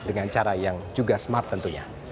dengan cara yang juga smart tentunya